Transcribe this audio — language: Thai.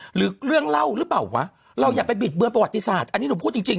หรือเบื้อเรื่องเร่อหรือเปล่าเราอยากเป็นเบื้อประวัติศาสตร์